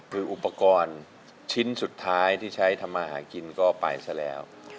คืออุปกรณ์ชิ้นสุดท้ายที่ใช้ทำมาหากินก็ไปซะแล้ว